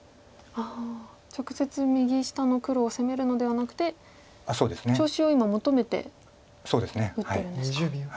直接右下の黒を攻めるのではなくて調子を今求めて打ってるんですか。